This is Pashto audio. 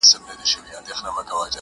• ستا هره گيله مي لا په ياد کي ده،